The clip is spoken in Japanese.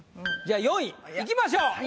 じゃあ４位いきましょう。